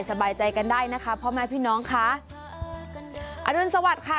สบายใจกันได้นะคะพ่อแม่พี่น้องค่ะอรุณสวัสดิ์ค่ะ